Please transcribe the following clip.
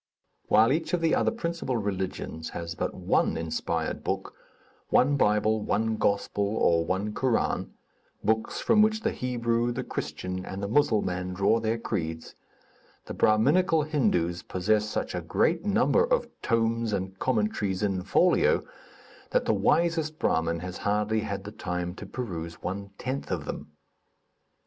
While each of the other principal religions has but one inspired book, one Bible, one Gospel, or one Koran books from which the Hebrew, the Christian and the Musselman draw their creeds the Brahminical Hindus possess such a great number of tomes and commentaries in folio that the wisest Brahmin has hardly had the time to peruse one tenth of them.